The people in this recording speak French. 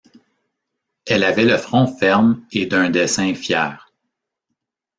Elle avait le front ferme et d’un dessin fier.